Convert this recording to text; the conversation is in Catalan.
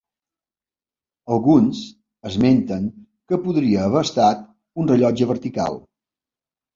Alguns esmenten que podria haver estat un rellotge vertical.